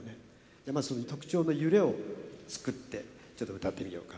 じゃまずその特徴の揺れを作ってちょっと歌ってみようか。